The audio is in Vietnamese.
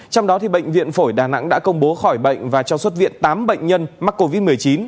trong đó bệnh viện phổi đà nẵng đã công bố khỏi bệnh và cho xuất viện tám bệnh nhân mắc covid một mươi chín